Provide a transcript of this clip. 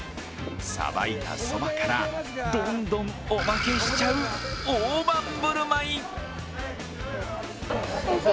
さばいたそばから、どんどんおまけしちゃう大盤振る舞い。